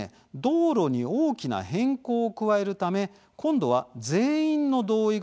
道路に大きな変更を加えるため今度は全員の同意が必要になると。